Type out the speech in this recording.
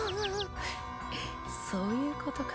フッそういうことか。